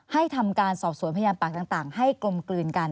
ทำการสอบสวนพยานปากต่างให้กลมกลืนกัน